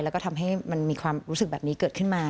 แล้วก็ทำให้มันมีความรู้สึกแบบนี้เกิดขึ้นมา